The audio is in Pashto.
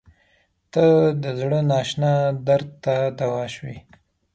• ته د زړه نااشنا درد ته دوا شوې.